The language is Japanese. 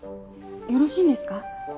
よろしいんですか？